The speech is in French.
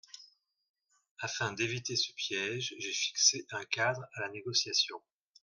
Afin d’éviter ce piège, j’ai fixé un cadre à la négociation.